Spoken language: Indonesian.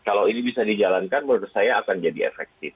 kalau ini bisa dijalankan menurut saya akan jadi efektif